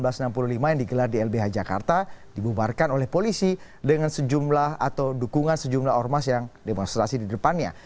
pertama kegiatan yang diadakan oleh pdi di lbh jakarta dibubarkan oleh polisi dengan dukungan sejumlah ormas yang demonstrasi di depannya